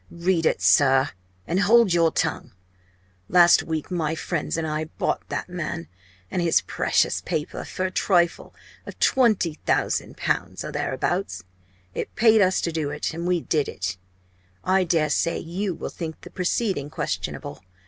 "Read it, sir! and hold your tongue! Last week my friends and I bought that man and his precious paper for a trifle of 20,000 l. or thereabouts. It paid us to do it, and we did it. I dare say you will think the preceding questionable.